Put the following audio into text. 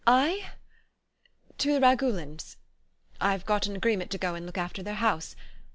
I? To the Ragulins.... I've got an agreement to go and look after their house...